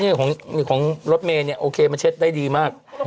ของรถเมย์เนี่ยโอเคมันเช็ดได้ดีมาก